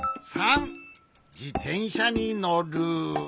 じてんしゃにのる。